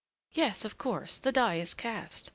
"Yes, of course; the die is cast.